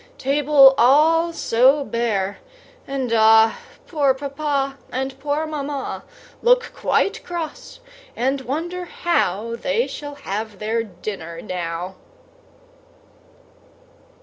Table all so bare, and ah! Poor Papa, and poor Mamma Look quite cross, and wonder how They shall have their dinner now.